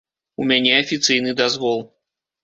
У мяне афіцыйны дазвол.